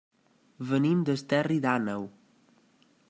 Venim d'Esterri d'Àneu.